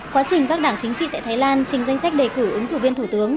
quá trình các đảng chính trị tại thái lan trình danh sách đề cử ứng cử viên thủ tướng